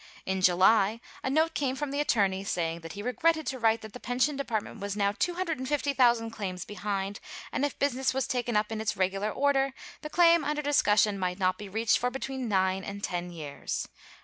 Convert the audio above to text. In July, a note came from the attorney saying that he regretted to write that the pension department was now 250,000 claims behind, and if business was taken up in its regular order, the claim under discussion might not be reached for between nine and ten years.